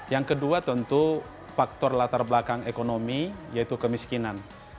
yang kedua tentu faktor latar belakang ekonomi yaitu kemiskinan